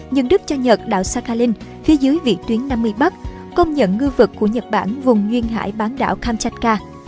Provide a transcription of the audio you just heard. nhưng đức cho nhật đảo sakhalin phía dưới vị tuyến năm mươi bắc công nhận ngư vực của nhật bản vùng duyên hải bán đảo kamchatka